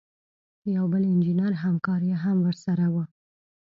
یو بل انجینر همکار یې هم ورسره و.